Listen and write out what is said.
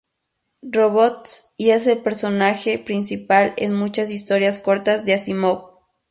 Robots, y es el personaje principal en muchas historias cortas de Asimov.